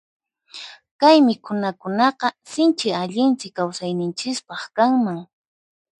Kay mikhunakunaqa sinchi allinsi kawsayninchispaq kanman.